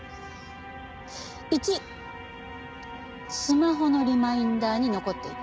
１スマホのリマインダーに残っていた。